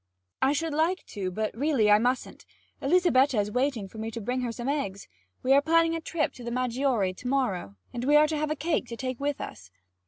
'I should like to, but really I mustn't. Elizabetta is waiting for me to bring her some eggs. We are planning a trip up the Maggiore to morrow, and we have to have a cake to take with us.